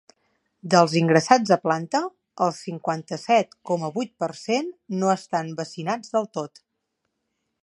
Dels ingressats a planta, el cinquanta-set coma vuit per cent no estan vaccinats del tot.